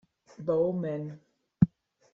Bouwman.